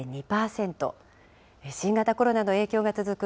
新型コロナの影響が続く